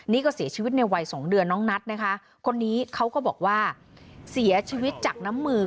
นี่ก็เสียชีวิตในวัยสองเดือนน้องนัทนะคะคนนี้เขาก็บอกว่าเสียชีวิตจากน้ำมือ